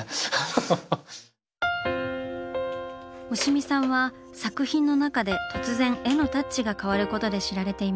押見さんは作品の中で突然絵のタッチが変わることで知られています。